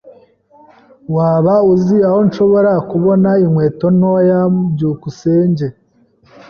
Waba uzi aho nshobora kubona inkweto ntoya? byukusenge